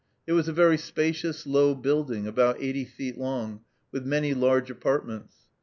It was a very spacious, low building, about eighty feet long, with many large apartments.